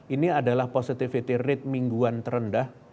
ini adalah positivity rate mingguan terendah